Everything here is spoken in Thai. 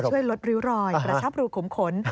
ช่วยลดริ้วรอยกระชับรูขุมขน